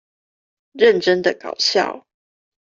認真的搞笑